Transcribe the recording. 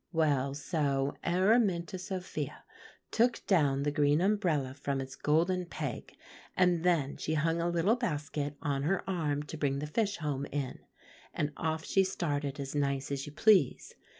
"Well, so Araminta Sophia took down the green umbrella from its golden peg, and then she hung a little basket on her arm to bring the fish home in, and off she started, as nice as you please.